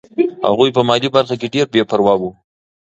هغوی په مالي برخه کې ډېر بې پروا وو.